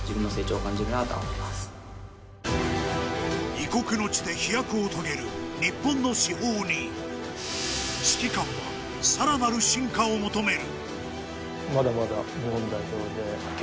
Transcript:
異国の地で飛躍を遂げる日本の至宝に指揮官は、さらなる進化を求める。